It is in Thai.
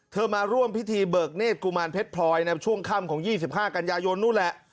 มาร่วมพิธีเบิกเนธกุมารเพชรพลอยในช่วงค่ำของ๒๕กันยายนนู่นแหละ